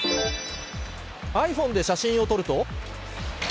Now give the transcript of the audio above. ｉＰｈｏｎｅで写真を撮ると。